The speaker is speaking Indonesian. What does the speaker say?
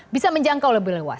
bisa menjangkau lebih lewat